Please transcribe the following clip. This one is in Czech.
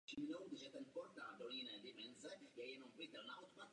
Lidská práva jsou univerzální, nezadatelná a vzájemně provázaná.